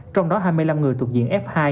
trong đó hai mươi năm người thuộc diện f hai